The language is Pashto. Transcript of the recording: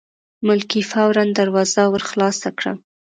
ملکې فوراً دروازه ور خلاصه کړه.